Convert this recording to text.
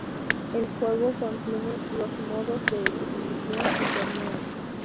El juego contiene los modos de exhibición y torneo.